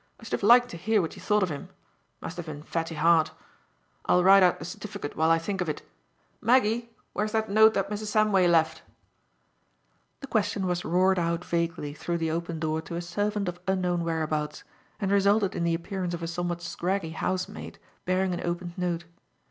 I should have liked to hear what you thought of him. Must have been fatty heart. I'll write out the certificate while I think of it. Maggie! Where's that note that Mrs. Samway left?" The question was roared out vaguely through the open door to a servant of unknown whereabouts, and resulted in the appearance of a somewhat scraggy housemaid bearing an opened note.